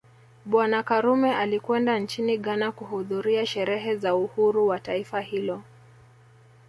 Bwana Karume alikwenda nchini Ghana kuhudhuria sherehe za uhuru wa taifa hilo